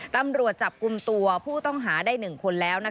ตำรวจจับกลุ่มตัวผู้ต้องหาได้๑คนแล้ว